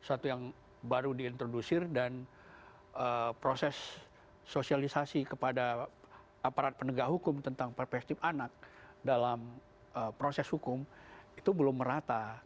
sesuatu yang baru diintrodusir dan proses sosialisasi kepada aparat penegak hukum tentang perspektif anak dalam proses hukum itu belum merata